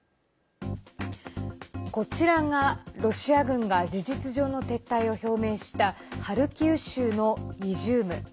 こちらがロシア軍が事実上の撤退を表明したハルキウ州のイジューム。